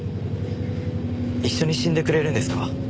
一緒に死んでくれるんですか？